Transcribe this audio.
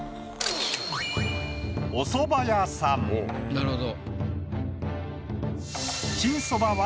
なるほど。